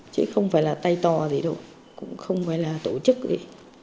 chứ không phải là tay tò gì đâu cũng không phải là tổ chức